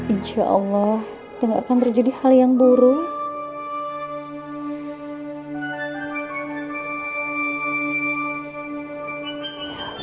insya allah udah gak akan terjadi hal yang buruk